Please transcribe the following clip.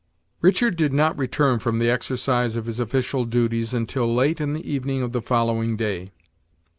Richard did not return from the exercise of his official duties until late in the evening of the following day.